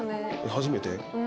初めて？